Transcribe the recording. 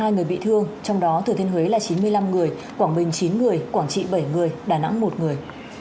một mươi người bị thương trong đó thừa thiên huế là chín mươi năm người quảng bình chín người quảng trị bảy người đà nẵng một người